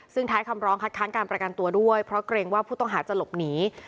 ซึ่งท้ายคำร้องคัดค้างการประกันตัวด้วยเพราะเกรงว่าผู้ต้องหาจะหลบหนี